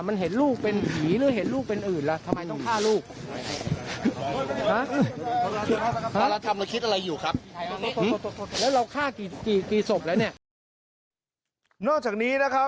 มันเห็นลูกเป็นหรี่หรือเห็นลูกเป็นอื่นล่ะ